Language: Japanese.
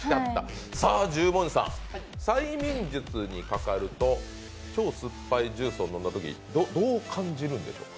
十文字さん、催眠術にかかると、超酸っぱいジュースを飲んだときに、どう感じるんですか？